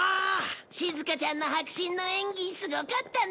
しずかちゃんの迫真の演技すごかったね！